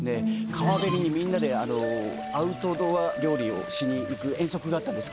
川べりにみんなでアウトドア料理をしに行く遠足があったんです